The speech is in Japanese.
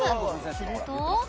すると